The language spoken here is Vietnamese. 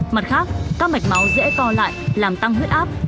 mặt khác các mạch máu dễ co lại làm tăng huyết áp